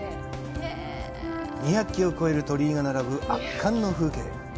２００基を超える鳥居が並ぶ圧巻の風景。